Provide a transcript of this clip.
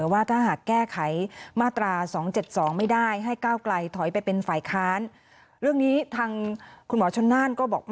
ว่าครั้งที่๒อำแปดภักดิ์ร่วม